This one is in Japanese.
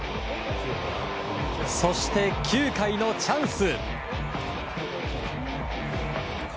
そして９回のチャンス。